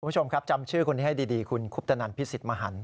คุณผู้ชมครับจำชื่อคนนี้ให้ดีคุณคุปตนันพิสิทธิมหัน